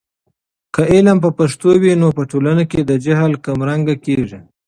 که علم په پښتو وي، نو په ټولنه کې د جهل کمرنګه کیږي.